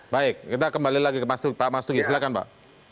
baik kita kembali lagi ke pak mas tugi silahkan pak